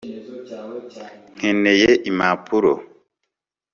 nkeneye impapuro .